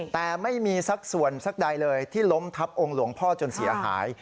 แต่ไม่มีสักส่วนสักใดเลยที่ล้มทับองค์หลวงพ่อจนเสียหาย